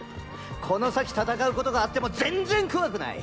この先戦うことがあっても全然怖くない！